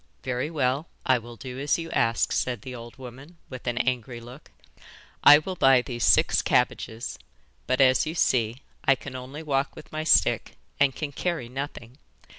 'Very well, I will do as you ask,' said the old woman, with an angry look. 'I will buy these six cabbages, but, as you see, I can only walk with my stick and can carry nothing.